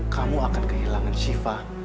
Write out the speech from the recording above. kamu akan kehilangan siva